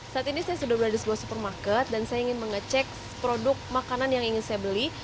saat ini saya sudah berada di sebuah supermarket dan saya ingin mengecek produk makanan yang ingin saya beli